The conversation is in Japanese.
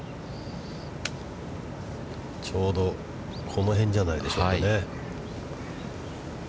ちょうど、この辺じゃないでしょうかね。